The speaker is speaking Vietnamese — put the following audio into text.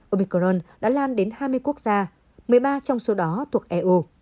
opcron đã lan đến hai mươi quốc gia một mươi ba trong số đó thuộc eu